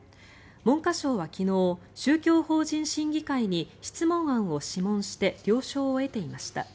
文科省は昨日、宗教法人審議会に質問案を諮問して了承を得ていました。